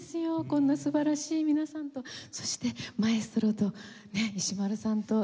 こんな素晴らしい皆さんとそしてマエストロとね石丸さんと。